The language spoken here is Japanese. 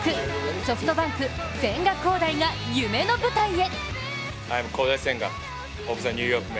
ソフトバンク・千賀滉大が夢の舞台へ。